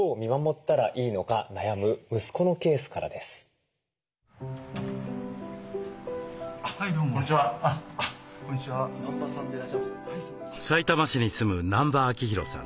さいたま市に住む南場明裕さん